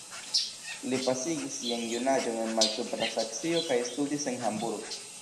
Li pasigis sian junaĝon en Malsupra Saksio kaj studis en Hamburgo.